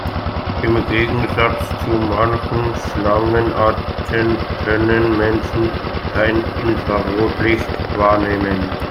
Im Gegensatz zu manchen Schlangenarten können Menschen kein Infrarotlicht wahrnehmen.